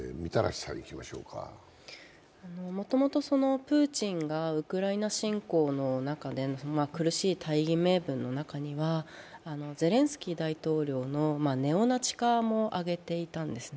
もともとプーチンがウクライナ侵攻の中での苦しい大義名分の中にはゼレンスキー大統領のネオナチ化も挙げていたんですね。